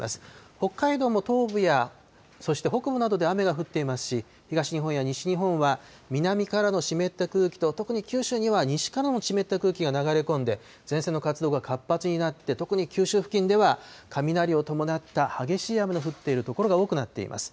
北海道の東部やそして北部などで雨が降っていますし、東日本や西日本は南からの湿った空気と、特に九州には西からの湿った空気が流れ込んで、前線の活動が活発になって、特に九州付近では雷を伴った激しい雨の降っている所が多くなっています。